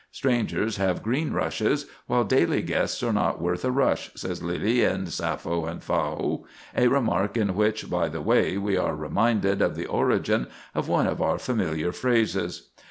"Strangers have green rushes, while daily guests are not worth a rush," says Lyly, in "Sapho and Phao"—a remark in which, by the way, we are reminded of the origin of one of our familiar phrases.